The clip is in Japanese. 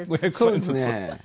そうですね。